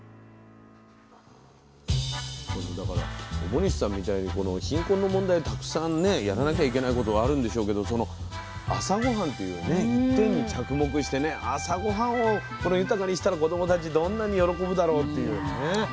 表西さんみたいにこの貧困の問題たくさんねやらなきゃいけないことあるんでしょうけど朝ごはんというね一点に着目してね朝ごはんを豊かにしたら子どもたちどんなに喜ぶだろうっていうね。